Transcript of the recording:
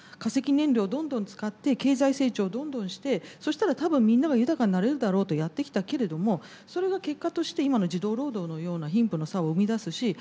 燃料どんどん使って経済成長どんどんしてそしたら多分みんなが豊かになれるだろうとやってきたけれどもそれが結果として今の児童労働のような貧富の差を生み出すし